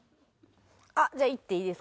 あっじゃあいっていいですか？